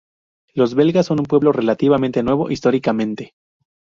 Los belgas son un pueblo relativamente "nuevo" históricamente.